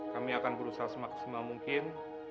kami akan berusaha semaksimal mungkin